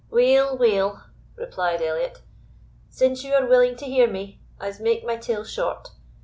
"Weel, weel," replied Elliot, "since ye are willing to hear me, I'se make my tale short.